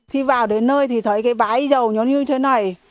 khi vào đến nơi thì thấy cái bãi dầu nó như thế này